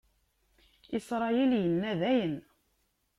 Isṛayil inna: Dayen!